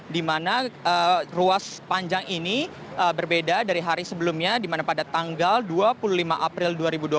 dimana ruas panjang ini berbeda dari hari sebelumnya dimana pada tanggal dua puluh lima april dua ribu dua puluh dua